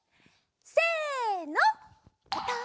せの。